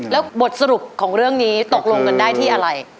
แล้วบทสรุปของเรื่องนี้ตกลงกันได้ที่อะไร